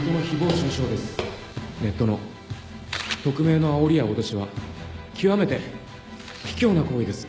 ネットの匿名のあおりや脅しは極めてひきょうな行為です。